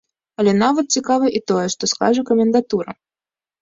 Але нават цікава і тое, што скажа камендатура?